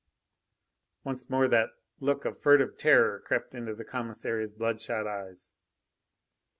Once more that look of furtive terror crept into the commissary's bloodshot eyes.